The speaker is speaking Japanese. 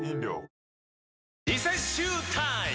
リセッシュータイム！